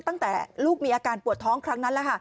ตั้งแต่ลูกมีอาการปวดท้องครั้งนั้น